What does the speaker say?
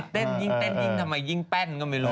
ยิ่งเต้นยิ่งทำไมยิ่งแป้นก็ไม่รู้